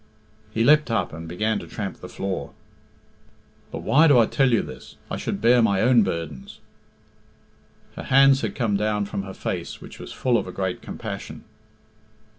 _" He leapt up, and began to tramp the floor. "But why do I tell you this? I should bear my own burdens." Her hands had come down from her face, which was full of a great compassion.